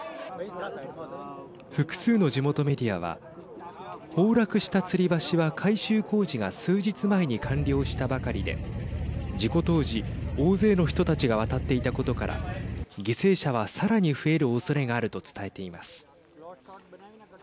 複数の地元メディアは崩落したつり橋は改修工事が数日前に完了したばかりで事故当時、大勢の人たちが渡っていたことから犠牲者はさらに増えるおそれがあると伝えています。